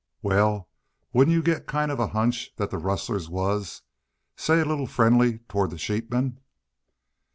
"Wal, wouldn't you git kind of a hunch thet the rustlers was say a leetle friendly toward the sheepmen?"